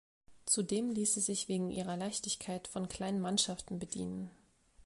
Zudem ließ sie sich wegen ihrer Leichtigkeit von kleinen Mannschaften bedienen.